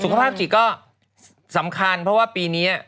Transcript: ภาพจิตก็สำคัญเพราะว่าปีนี้